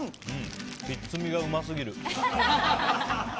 ひっつみがうますぎる。